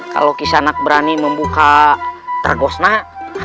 kalau kisanak berani membuka tergos nak